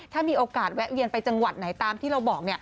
ถ้ามีโอกาสแวะเวียนไปจังหวัดไหนตามที่เราบอก